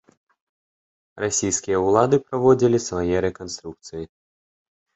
Расійскія ўлады праводзілі свае рэканструкцыі.